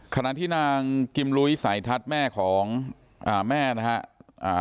ขณะที่นางกิมรุ้ยสายทัศน์แม่ของแม่นะฮะ